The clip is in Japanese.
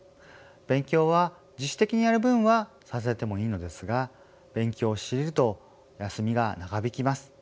勉強は自主的にやる分はさせてもいいのですが勉強を強いると休みが長引きます。